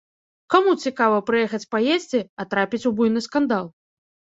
Каму цікава прыехаць паесці, а трапіць у буйны скандал?